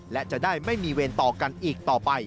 และจะได้ไม่มีเวรต่อกันอีกต่อไป